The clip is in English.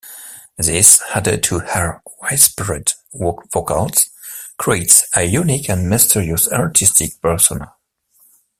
This, added to her whispered vocals, creates a unique and mysterious artistic persona.